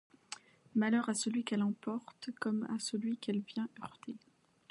Malheur à celui qu’elle emporte comme à celui qu’elle vient heurter!